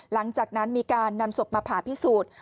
หลังจากนั้นมีการนำศพมาผ่าพิสูจน์